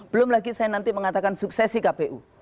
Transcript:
belum lagi saya nanti mengatakan suksesi kpu